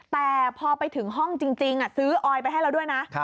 แต่พอไปถึงห้องจริงซื้อออยไปให้เราด้วยนะ